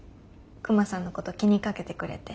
クマさんのこと気にかけてくれて。